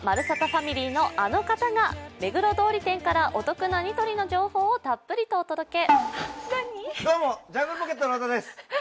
ファミリーのあの方が目黒通り店からお得なニトリの情報をたっぷりとお届け。